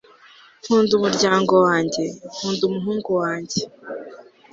nkunda umuryango wanjye; nkunda umuhungu wanjye